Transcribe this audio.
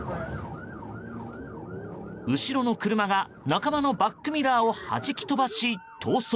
後ろの車が仲間のバックミラーを弾き飛ばし、逃走。